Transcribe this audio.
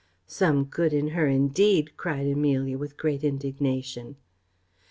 "Some good in her, indeed!" cried Amelia, with great indignation.